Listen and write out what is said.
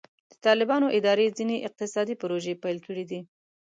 د طالبانو اداره ځینې اقتصادي پروژې پیل کړي دي.